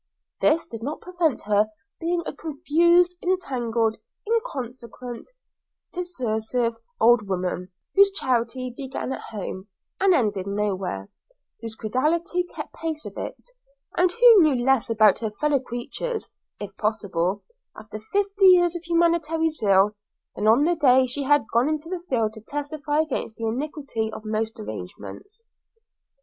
This did not prevent her being a confused, entangled, inconsequent, discursive old woman, whose charity began at home and ended nowhere, whose credulity kept pace with it, and who knew less about her fellow creatures, if possible, after fifty years of humanitary zeal, than on the day she had gone into the field to testify against the iniquity of most arrangements.